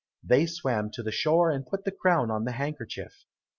They swam to the shore and put the crown on the handkerchief.